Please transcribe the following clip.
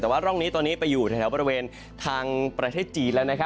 แต่ว่าร่องนี้ตอนนี้ไปอยู่แถวบริเวณทางประเทศจีนแล้ว